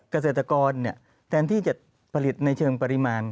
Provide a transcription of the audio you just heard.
เกษตรกรแทนที่จะผลิตในเชิงปริมาณ